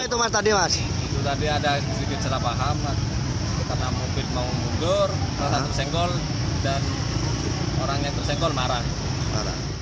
itu tadi ada sedikit salah paham karena mobil mau mundur orang yang tersenggol marah